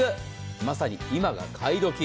まさに今が買いドキ！。